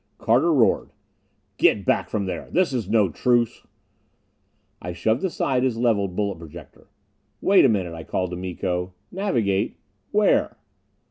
Carter roared: "Get back from there! This is no truce!" I shoved aside his levelled bullet projector. "Wait a minute!" I called to Miko. "Navigate where?"